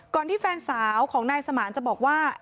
ที่แฟนสาวของนายสมานจะบอกว่า